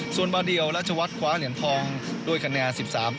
ส่วนบาร์เดียวรัชวัตรขวาเหรียญทองด้วยคะแนน๑๓๔๒